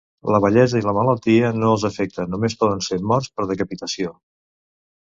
La vellesa i la malaltia no els afecta, només poden ser morts per decapitació.